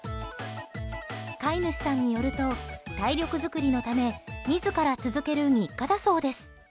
飼い主さんによると体力作りのため自ら続ける日課だそうです。